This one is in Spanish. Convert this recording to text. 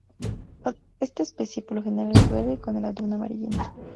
Esta especie, por lo general, es verde y con el abdomen amarillento.